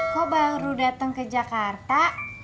kok baru dateng ke jakarta